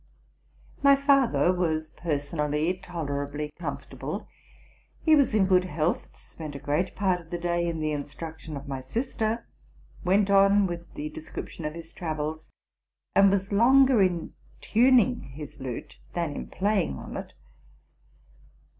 My father was personally tolerably comfortable. He was in good health, spent a great part of the day in the instruc tion of my sister, went on with the description of his travels, and was longer in tuning his lute than in playing on it.